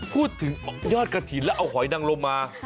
พูดถึงออกยอดกะถีนแล้วเอาหอยนั่งลงมา